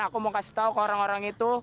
aku mau kasih tau ke orang orang itu